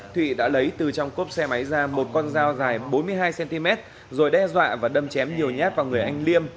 thụy đã lấy từ trong cốp xe máy ra một con dao dài bốn mươi hai cm rồi đe dọa và đâm chém nhiều nhát vào người anh liêm